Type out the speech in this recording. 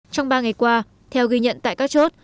trong ba ngày qua theo ghi nhận tại các chốt